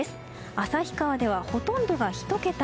旭川では、ほとんどが１桁。